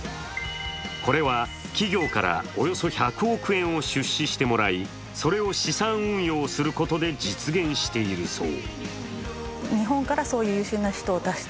これは企業からおよそ１００億円を出資してもらいそれを資産運用することで実現しているそう。